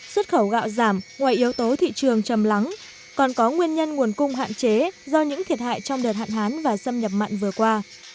xuất khẩu gạo giảm ngoài yếu tố thị trường chầm lắng còn có nguyên nhân nguồn cung hạn chế do những thiệt hại trong đợt hạn hán và xâm nhập mặn vừa qua